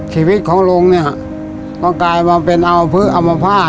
ชีวิตของลงเนี่ยต้องกลายมาเป็นอาวุธอำมาตย์